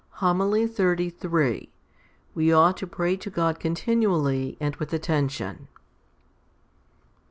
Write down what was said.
HOMILY XXXIII We ought to pray to God continually and with attention' 1.